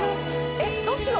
えっどっちが